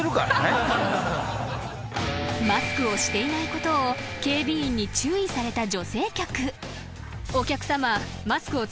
［マスクをしていないことを警備員に注意された女性客］